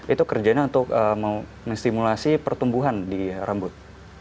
itu kerjanya untuk menstimulasi pertumbuhan di rambut